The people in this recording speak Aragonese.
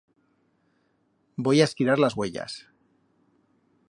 Voi a esquirar las uellas.